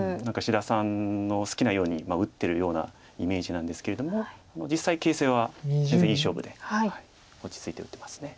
何か志田さんの好きなように打ってるようなイメージなんですけれども実際形勢は全然いい勝負で落ち着いて打ってます。